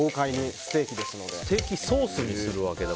ステーキソースにするわけだ。